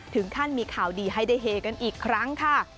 ถึงขั้นมีข่าวดีให้ได้เฮกันอีกครั้งค่ะ